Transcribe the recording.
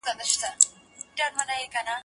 زه مړۍ نه خورم؟